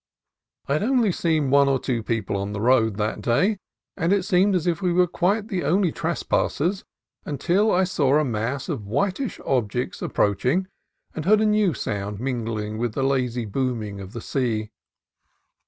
I had seen only one or two people on the road that day, and it seemed as if we were quite the only tres passers, until I saw a mass of whitish objects ap proaching and heard a new sound mingling with the lazy booming of the sea.